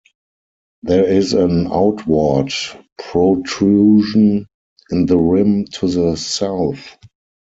There is an outward protrusion in the rim to the south.